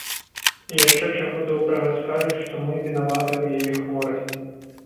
Яшчэ, чаго добрага, скажуць, што мы вінаваты ў яе хворасці.